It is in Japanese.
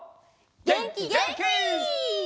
げんきげんき！